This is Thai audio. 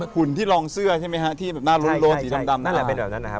หุ่นที่รองเสื้อใช่ไหมฮะ